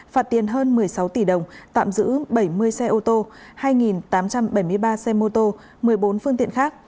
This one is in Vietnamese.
phạt tiền hơn một mươi sáu tỷ đồng tạm giữ bảy mươi xe ô tô hai tám trăm bảy mươi ba xe mô tô một mươi bốn phương tiện khác